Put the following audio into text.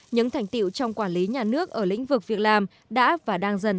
những thành tiệu trong quản lý nhà nước ở lĩnh vực việc làm đã và đang dần